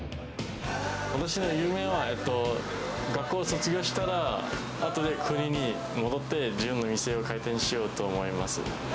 私の夢は、学校卒業したら、あとで国に戻って、自分の店を開店しようと思います。